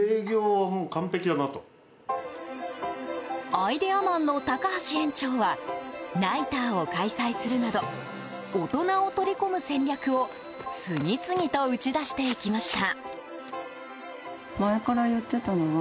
アイデアマンの高橋園長はナイターを開催するなど大人を取り込む戦略を次々と打ち出していきました。